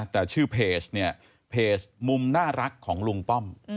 แต่ชื่อเพจเนี่ยเพจมุมน่ารักของลุงป้อม